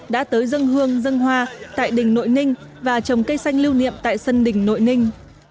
đã tới dân hương dân hoa tại đình nội ninh và trồng cây xanh lưu niệm tại sân đỉnh nội ninh